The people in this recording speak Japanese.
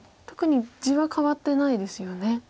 特に地は変わってないですよね。